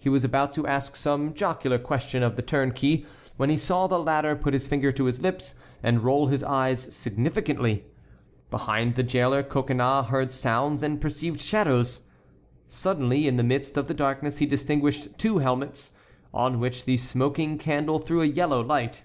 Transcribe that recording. He was about to ask some jocular question of the turnkey when he saw the latter put his finger to his lips and roll his eyes significantly. Behind the jailer Coconnas heard sounds and perceived shadows. Suddenly in the midst of the darkness he distinguished two helmets, on which the smoking candle threw a yellow light.